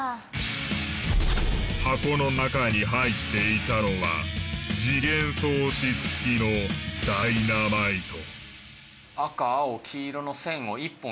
箱の中に入っていたのは時限装置付きのダイナマイト。